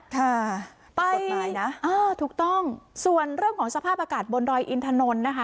กฎหมายน่ะอ่าถูกต้องส่วนเรื่องของสภาพอากาศบนดอยอินทนนท์นะคะ